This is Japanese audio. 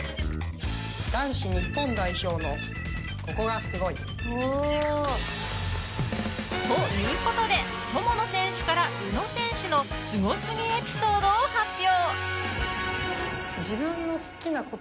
男子日本代表のここがすごい！ということで友野選手から宇野選手のすご過ぎエピソードを発表。